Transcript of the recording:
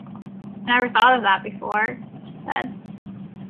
‘I never thought of that before!’ she said.